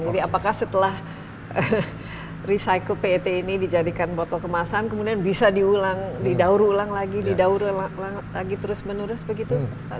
jadi apakah setelah recycle pet ini dijadikan botol kemasan kemudian bisa diulang di daur ulang lagi di daur ulang lagi terus berapa kali